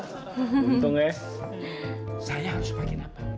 untungnya saya harus pake apa